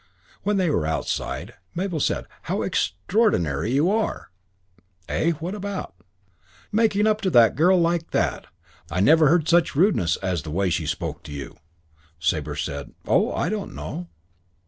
When they were outside, Mabel said, "How extraordinary you are!" "Eh? What about?" "Making up to that girl like that! I never heard such rudeness as the way she spoke to you." Sabre said, "Oh, I don't know."